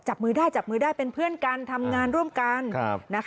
จับมือได้จับมือได้เป็นเพื่อนกันทำงานร่วมกัน